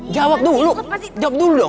jawab dulu pasti jawab dulu dong